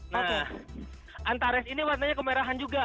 nah antares ini warnanya kemerahan juga